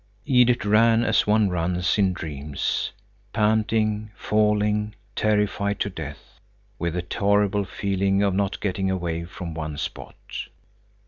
Edith ran as one runs in dreams, panting, falling, terrified to death, with a horrible feeling of not getting away from one spot.